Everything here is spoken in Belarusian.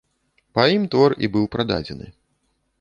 Па ім твор і быў прададзены.